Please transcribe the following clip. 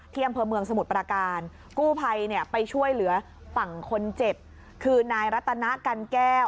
ที่อำเภอเมืองสมุทรประการกู้ภัยเนี่ยไปช่วยเหลือฝั่งคนเจ็บคือนายรัตนากันแก้ว